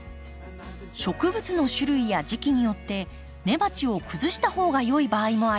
植物の種類や時期によって根鉢を崩したほうが良い場合もあります。